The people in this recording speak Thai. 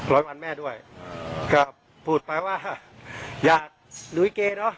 ร้อยวันแม่ด้วยก็พูดไปว่าหยาดดุ้ยเกดอ๋อ